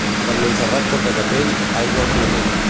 Quan Montserrat porta capell, aigua al clatell.